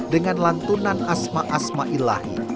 dengan lantunan asma asma ilahi